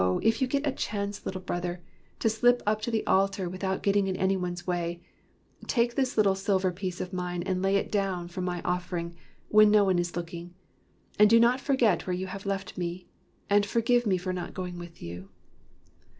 if you get a chance, Little 19 WHY THE CHIMES RANG Brother, to slip up to the altar without getting in any one's way, take this little silver piece of mine, and lay it down for my offering, when no one is looking. Do not forget where you have left me, and forgive me for not going with you."